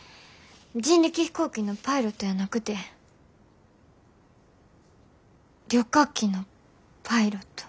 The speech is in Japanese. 人力飛行機のパイロットやなくて旅客機のパイロット。